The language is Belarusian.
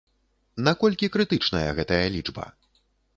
Наколькі крытычная гэтая лічба?